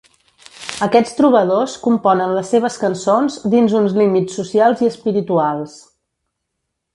Aquests trobadors componen les seves cançons dins uns límits socials i espirituals.